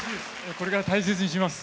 これから大切にします。